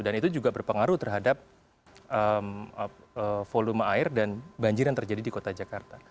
dan itu juga berpengaruh terhadap volume air dan banjir yang terjadi di kota jakarta